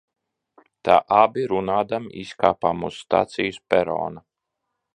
Tā abi runādami izkāpām uz stacijas perona.